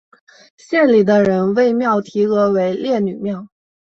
县里的人为庙题额为烈女庙。